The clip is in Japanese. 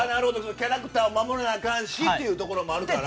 キャラクターを守らなあかんしということもあるから。